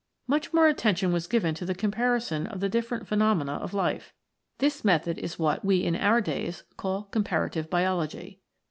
Much more attention was given to the comparison of the different phenomena of life. This method is what we in our days call Comparative Biology.